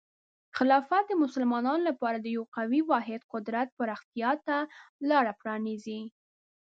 خلافت د مسلمانانو لپاره د یو قوي واحد قدرت پراختیا ته لاره پرانیزي.